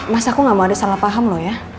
mas aku gak mau ada salah paham loh ya